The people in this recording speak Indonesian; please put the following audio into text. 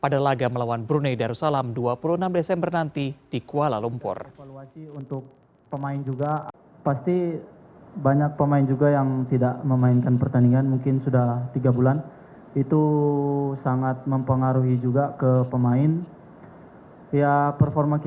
dua puluh enam desember nanti di kuala lumpur